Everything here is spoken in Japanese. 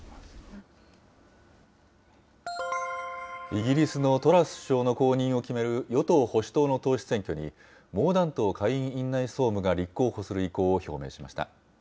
イギリスのトラス首相の後任を決める与党・保守党の党首選挙に、モーダント下院院内総務が立候補する意向を表明しました。